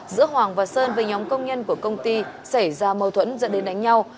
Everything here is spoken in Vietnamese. giữa hoàng và sơn với nhóm công nhân của công ty xảy ra mâu thuẫn dẫn đến đánh nhau